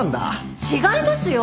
違いますよ！